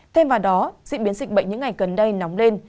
thêm vào đó diễn biến dịch bệnh những ngày gần đây nóng lên